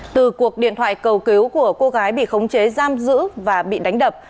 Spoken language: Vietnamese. từ cuộc điện thoại cầu cứu của cô gái bị khống chế giam giữ và bị đánh đập